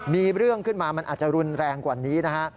มีเรื่องขึ้นมามันอาจจะรุนแรงกว่านี้นะฮะ